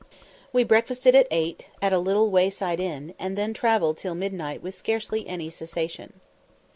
We breakfasted at eight, at a little wayside inn, and then travelled till midnight with scarcely any cessation.